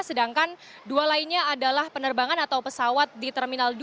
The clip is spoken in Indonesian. sedangkan dua lainnya adalah penerbangan atau pesawat di terminal dua